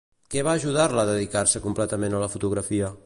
Què va ajudar-la a dedicar-se completament a la fotografia?